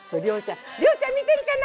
りょうちゃん見てるかな？